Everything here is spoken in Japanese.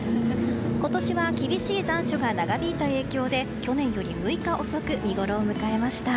今年は厳しい残暑が長引いた影響で去年より６日遅く見ごろを迎えました。